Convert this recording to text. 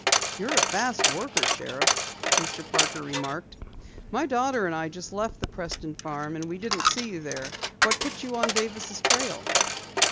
"You're a fast worker, Sheriff," Mr. Parker remarked. "My daughter and I just left the Preston farm, and we didn't see you there. What put you on Davis' trail?"